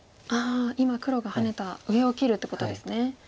今黒がハネた上を切るってことですね。